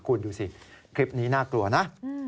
คุณดูสิคลิปนี้น่ากลัวนะ